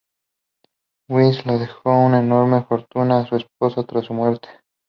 Wynn le dejó una enorme fortuna a su esposa tras su muerte.